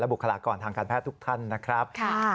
บุคลากรทางการแพทย์ทุกท่านนะครับ